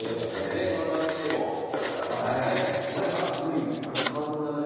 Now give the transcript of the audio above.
この番組でも来たことありますしね。